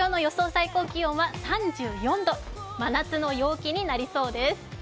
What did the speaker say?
最高気温は３４度、真夏の陽気になりそうです。